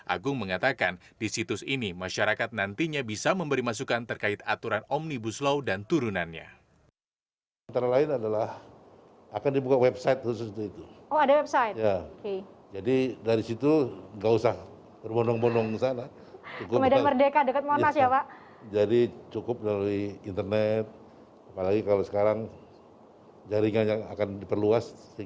agung mengatakan di situs ini masyarakat nantinya bisa memberi masukan terkait aturan omnibus law dan turunannya